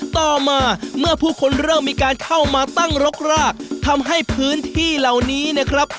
ต่อมาเมื่อผู้คนเริ่มมีการเข้ามาตั้งรกรากทำให้พื้นที่เหล่านี้นะครับ